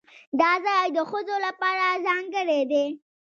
دا ځای د ښځو لپاره ځانګړی دی.